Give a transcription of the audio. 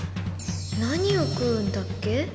「何を食う」んだっけ？